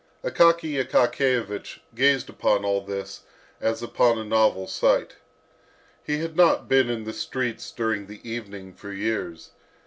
Akaky Akakiyevich gazed upon all this as upon a novel sight. He had not been in the streets during the evening for years.